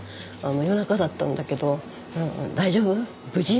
夜中だったんだけど「大丈夫？無事？」